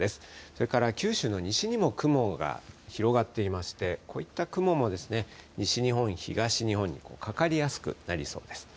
それから九州の西にも雲が広がっていまして、こういった雲も西日本、東日本にかかりやすくなりそうです。